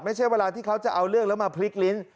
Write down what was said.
ไม่ใช่เวลาที่เขาจะเอาเรื่องแล้วมาพลิกลิ้น